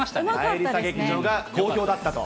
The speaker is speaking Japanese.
りさ劇場が好評だったと。